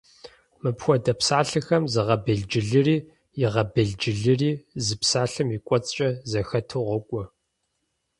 Мыпхуэдэ псалъэхэм зыгъэбелджылыри, игъэбелджылыри зы псалъэм и кӏуэцӏкӏэ зэхэту къокӏуэ.